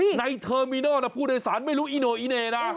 ในเทอร์มิโนนะผู้โดยสารไม่รู้อีโน่อีเน่นะ